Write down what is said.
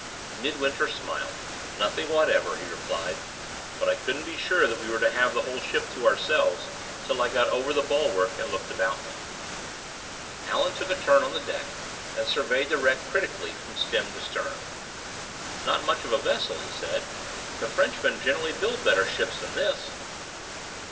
Midwinter smiled. "Nothing whatever," he replied. "But I couldn't be sure that we were to have the whole ship to ourselves till I got over the bulwark and looked about me." Allan took a turn on the deck, and surveyed the wreck critically from stem to stern. "Not much of a vessel," he said; "the Frenchmen generally build better ships than this."